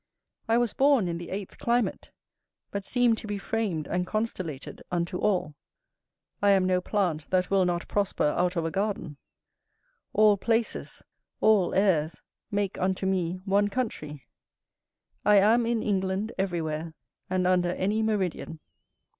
I was born in the eighth climate, but seem to be framed and constellated unto all. I am no plant that will not prosper out of a garden. All places, all airs, make unto me one country; I am in England everywhere, and under any meridian.